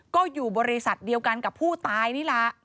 ก็อยู่บริษัทเดียวกันกับผู้ตายนี่แหละ